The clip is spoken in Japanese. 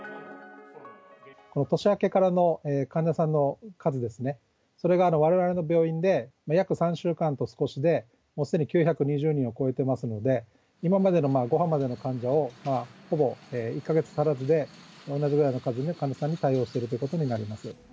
年明けからの患者さんの数ですね、それがわれわれの病院で約３週間と少しで、すでに９２０人を超えてますので、今までの５波までの患者をほぼ１か月足らずで、同じくらいの数の患者さんに対応するということになります。